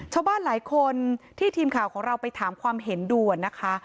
ชาวบ้านหลายคนที่ทีมข่าวของเราไปถามความเห็นดูนะคะ